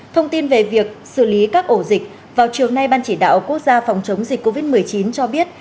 thông tin về việc xử lý các ổ dịch vào chiều nay ban chỉ đạo quốc gia phòng chống dịch covid một mươi chín cho biết